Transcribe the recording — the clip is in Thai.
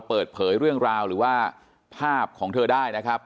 เปิดเผยเรื่องราวหรือว่าภาพของเธอได้นะครับ